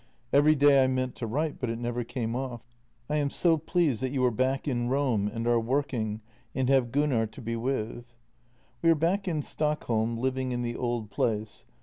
Every day I meant to write, but it never came off. I am so pleased that you are back in Rome and are working, and have Gunnar to be with. " We are back in Stockholm living in the old place.